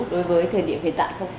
đối với thời điểm hiện tại không